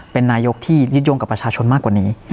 เป็นนายกที่ยึดโยงกับประชาชนมากกว่านี้